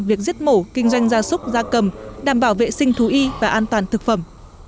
việc giết mổ kinh doanh gia súc gia cầm đảm bảo vệ sinh thú y và an toàn thực phẩm